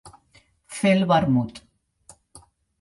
Fer el vermut.